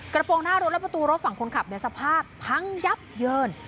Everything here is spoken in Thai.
กระโปรงหน้ารถและประตูรถฝั่งคนขับสภาพพังยับเยิน